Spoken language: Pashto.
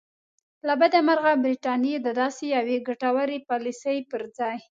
له بده مرغه برټانیې د داسې یوې ګټورې پالیسۍ پر ځای.